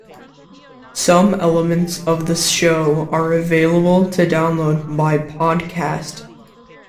Some elements of the show are available to download by podcast.